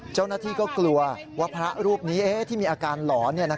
เจ้าหน้าที่ก็กลัวว่าพระรูปนี้ที่มีอาการหลอน